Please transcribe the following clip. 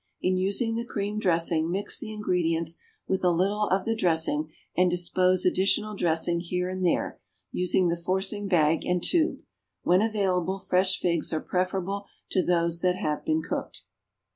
In using the cream dressing, mix the ingredients with a little of the dressing and dispose additional dressing here and there, using the forcing bag and tube. When available, fresh figs are preferable to those that have been cooked.